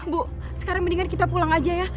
bu sekarang mendingan kita pulang aja ya